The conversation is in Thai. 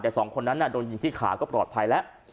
แต่สองคนนั้นโดนยิงที่ขาก็ปลอดภัยแล้ว